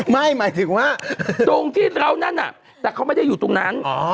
หมายถึงว่าตรงที่เรานั่นน่ะแต่เขาไม่ได้อยู่ตรงนั้น